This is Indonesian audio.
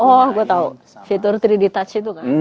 oh gue tau fitur tiga d touch itu kan